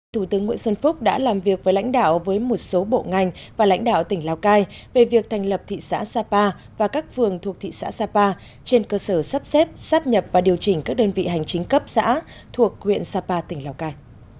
thủ tướng nguyễn xuân phúc đã làm việc với lãnh đạo với một số bộ ngành và lãnh đạo tỉnh lào cai về việc thành lập thị xã sapa và các phường thuộc thị xã sapa trên cơ sở sắp xếp sắp nhập và điều chỉnh các đơn vị hành chính cấp xã thuộc huyện sapa tỉnh lào cai